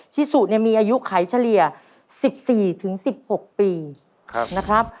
ชิสุเนี่ยมีอายุไขเฉลี่ย๑๔๑๖ปีนะครับ